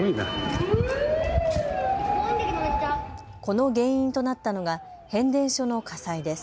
この原因となったのが変電所の火災です。